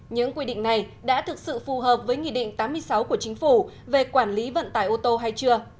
những quy định này đã thực sự phù hợp với nghị định tám mươi sáu của chính phủ về quản lý vận tải ô tô hay chưa